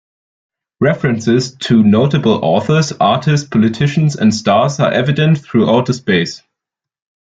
References to notable authors, artists, politicians and stars are evident throughout the space.